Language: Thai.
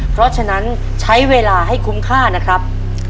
เพราะฉะนั้นใช้เวลาให้คุ้มค่านะครับ